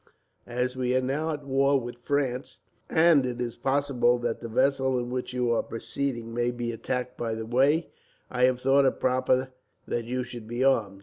"As we are now at war with France, and it is possible that the vessel in which you are proceeding may be attacked by the way, I have thought it proper that you should be armed.